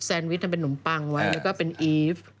วิชทำเป็นนมปังไว้แล้วก็เป็นอีฟ